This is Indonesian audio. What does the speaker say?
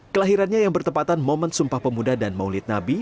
kelahirannya yang bertepatan momen sumpah pemuda dan maulid nabi